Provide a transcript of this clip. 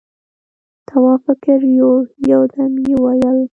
تواب فکر يووړ، يو دم يې وويل: